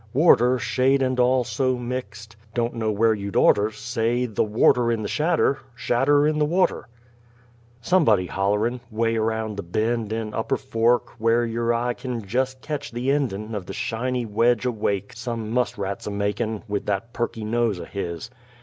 Worter, shade and all so mixed, don't know which you'd orter Say, th' worter in the shadder shadder in the worter! Somebody hollerin' 'way around the bend in Upper Fork where yer eye kin jes' ketch the endin' Of the shiney wedge o' wake some muss rat's a makin' With that pesky nose o' his!